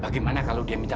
bagaimana kalau dia minta